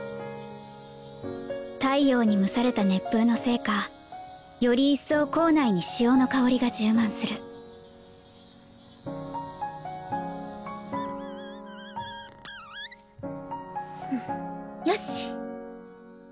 太陽に蒸された熱風のせいかより一層校内に潮の香りが充満するよし！